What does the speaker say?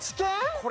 これ。